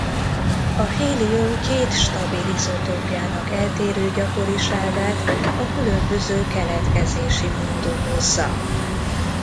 A hélium két stabil izotópjának eltérő gyakoriságát a különböző keletkezési mód okozza.